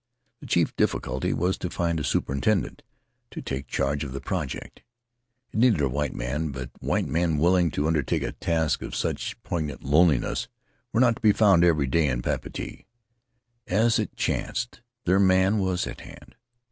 The chief difficulty was to find a superintendent to 17 [ 245 ] Faery Lands of the South Seas take charge of the project; it needed a white man, but white men willing to undertake a task of such poignant loneliness were not to be found every day in Papeete. As it chanced, their man was at hand.